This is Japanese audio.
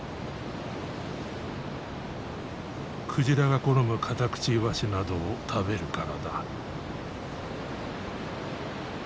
鯨が好むカタクチイワシなどを食べるからだ。